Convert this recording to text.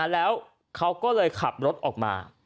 แล้วเขาก็เลยขับรถออกมา